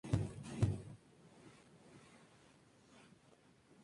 Sin embargo, Albert Broccoli no aceptó al actor.